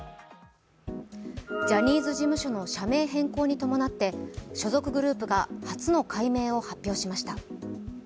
ジャニーズ事務所の社名変更に伴って所属グループが初の改名を発表しました。